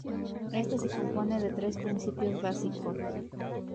Este se compone de tres principios básicos.